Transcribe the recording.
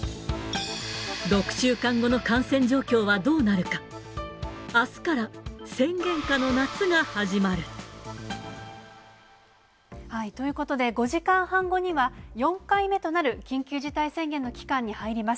６週間後の感染状況はどうなるか。ということで、５時間半後には４回目となる緊急事態宣言の期間に入ります。